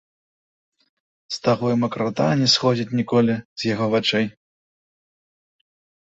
З таго і макрата не сходзіць ніколі з яго вачэй.